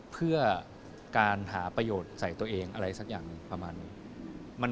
เพื่อการหาประโยชน์ใส่ตัวเองอะไรสักอย่างหนึ่งประมาณนี้